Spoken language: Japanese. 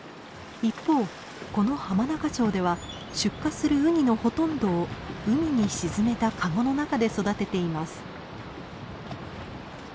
一方この浜中町では出荷するウニのほとんどを海に沈めたカゴの中で育てています。